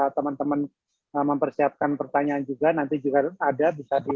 teman teman mempersiapkan pertanyaan juga nanti juga ada bisa disampaikan saya berharap